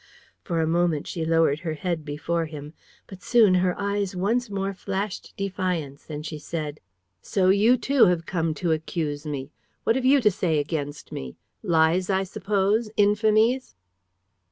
For a moment, she lowered her head before him. But soon her eyes once more flashed defiance; and she said: "So you, too, have come to accuse me? What have you to say against me? Lies, I suppose? Infamies?